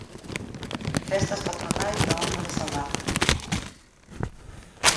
Festas patronais na honra de San Lázaro.